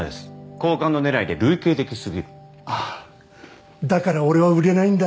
好感度狙いで類型的すぎるああだから俺は売れないんだ